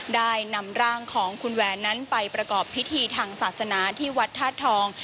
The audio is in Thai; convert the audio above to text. ได้นำร่างของคุณแหวนนั้นไปประกอบพิธีทางศาสนาที่วัดธาตุทอง